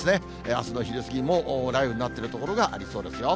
あすの昼過ぎも雷雨になっている所がありそうですよ。